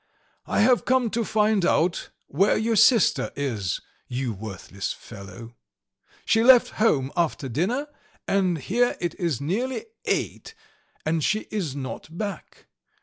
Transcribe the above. "I have come to find out where your sister is, you worthless fellow. She left home after dinner, and here it is nearly eight and she is not back.